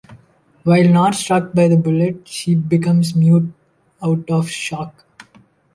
While not struck by the bullet, she becomes mute out of shock.